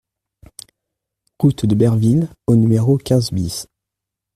Route de Berville au numéro quinze BIS